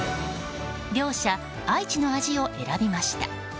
両者、愛知の味を選びました。